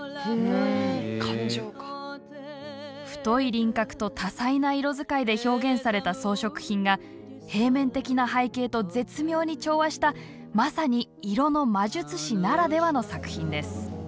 太い輪郭と多彩な色使いで表現された装飾品が平面的な背景と絶妙に調和したまさに色の魔術師ならではの作品です。